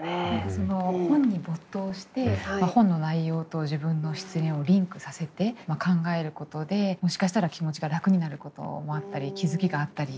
その本に没頭して本の内容と自分の失恋をリンクさせて考えることでもしかしたら気持ちが楽になることもあったり気付きがあったり。